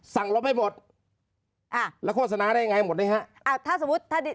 เราไม่หมดอ่าแล้วโฆษณาได้ยังไงหมดไหมฮะอ่าถ้าสมมุติถ้าดี